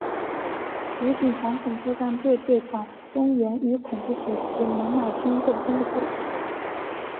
武警反恐特战队队长钟原与恐怖组织猛玛军斗争的故事。